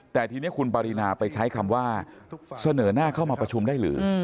แต่ทีนี้คุณปรินาไปใช้คำว่าเสนอหน้าเข้ามาประชุมได้หรือ